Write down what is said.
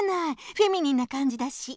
フェミニンなかんじだし。